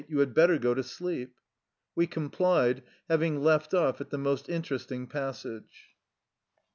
You had better go to sleep." We complied, having left off at the most in teresting passage.